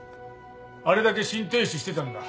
あれだけ心停止してたんだ。